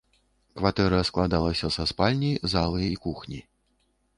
Кватэра складалася са спальні, залы і кухні.